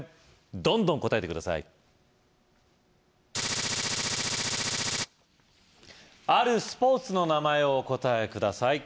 どんどん答えて下さいあるスポーツの名前をお答えください